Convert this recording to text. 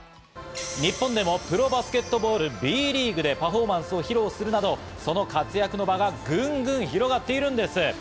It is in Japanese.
日本でもプロバスケットボール・Ｂリーグでパフォーマンスを披露するなど、その活躍の場がぐんぐん広がっているんです。